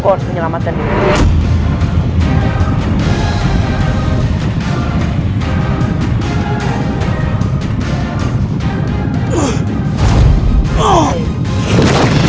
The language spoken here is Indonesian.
aku harus menyelamatkan dia